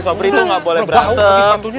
sombri itu gak boleh berantem